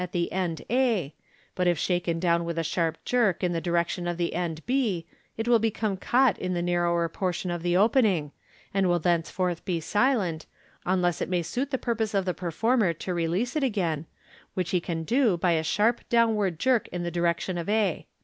at the end a, but if shaken down with a sharp jerk in the direction of the end b, it will become caught in the narrower portion of the opening, and will thenceforth be silent, unless it may suit the purpose of the performer to release it again, which he can do by a sharp downward jerk in the direction of a.